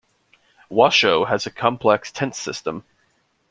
Washo has a complex tense system.